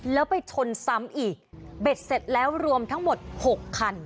แล้วไปชนซ้ำอีกเบ็ดเสร็จแล้วรวมทั้งหมด๖คัน